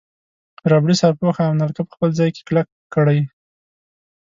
ربړي سرپوښ او نلکه په خپل ځای کې کلک کړئ.